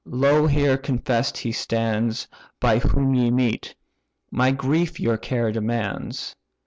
lo here confess'd he stands By whom ye meet; my grief your care demands.